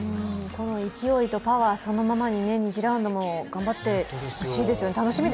この勢いとパワーをそのままに２次ラウンドも頑張ってほしいですよね。